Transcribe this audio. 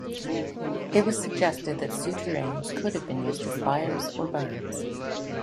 It was suggested that souterrains could have been used as byres or barns.